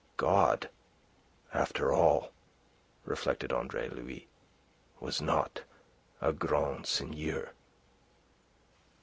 God after all, reflected Andre Louis, was not a grand seigneur.